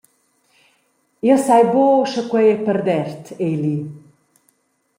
Jeu sai buca sche quei ei perdert, Eli.